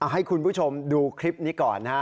ให้คุณผู้ชมดูคลิปนี้ก่อนนะฮะ